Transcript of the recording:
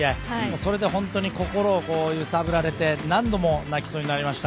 それで、本当に心を揺さぶられて何度も泣きそうになりました。